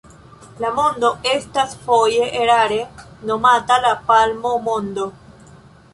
La Mondo estas foje erare nomata La Palmo-Mondo.